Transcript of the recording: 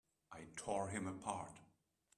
I tore him apart!